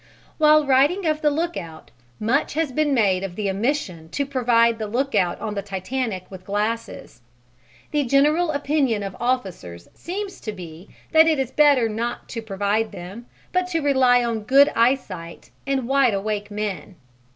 While writing of the lookout, much has been made of the omission to provide the lookout on the Titanic with glasses. The general opinion of officers seems to be that it is better not to provide them, but to rely on good eyesight and wide awake men.